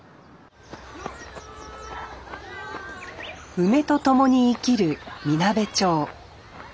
梅と共に生きるみなべ町